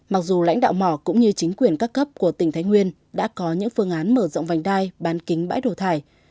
mặc dù lãnh đạo mỏ cũng như chính quyền các cấp của tỉnh thái nguyên đã có những phương án mở rộng vành đai bán kính bãi đổ thải